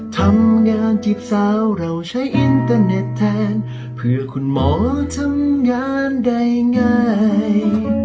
ทำงานจีบสาวเราใช้อินเตอร์เน็ตแทนเพื่อคุณหมอทำงานใดง่าย